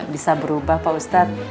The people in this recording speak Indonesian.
bisa berubah pak ustadz